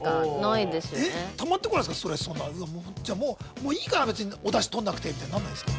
「もういいか別におダシ取んなくて」みたいになんないですか？